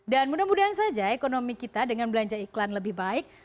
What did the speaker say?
dan mudah mudahan saja ekonomi kita dengan belanja iklan lebih baik